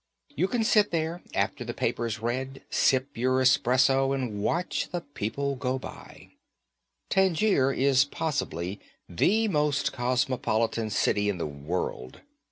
You can sit there, after the paper's read, sip your expresso and watch the people go by. Tangier is possibly the most cosmopolitan city in the world.